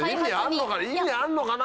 意味あんのかな？